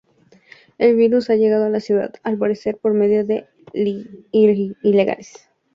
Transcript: El virus ha llegado a la ciudad, al parecer por medio de "ilegales".